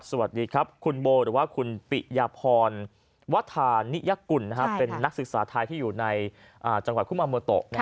สวัสดีครับคุณโบหรือว่าคุณปิยพรวัฒนิยกุลเป็นนักศึกษาไทยที่อยู่ในจังหวัดคุมาโมโต